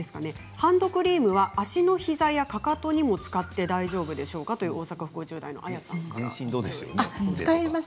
ハンドクリームは、足の膝やかかとにも使って大丈夫でしょうかと大阪府５０代の方からです。